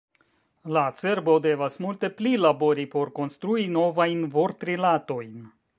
La cerbo devas multe pli labori por konstrui novajn vortrilatojn.